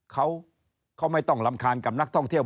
เขาไม่ต้องรำคาญกับนักท่องเที่ยว